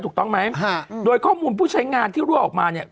ถูกต้องไหมฮะโดยข้อมูลผู้ใช้งานที่รั่วออกมาเนี่ย